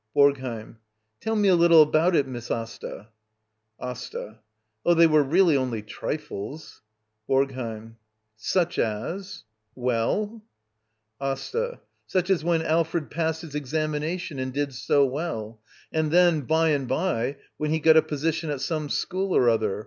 BoRGHEiM. Tell me a little about it, Miss Asta. AsTA. Oh, they were really only trifles. BoRGHEiM. Such as —? Well ? Asta. Such as when Alfred passed his examina tion — and did so well. And then, by and by, when he got a position at some school or other.